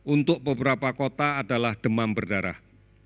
untuk beberapa kota adalah demam berdarah